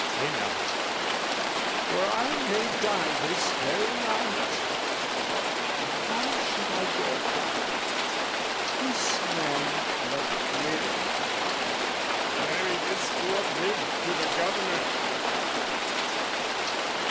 Enough, for I may die this very night And how should I dare die, this man let live? Carry this forthwith to the Governor!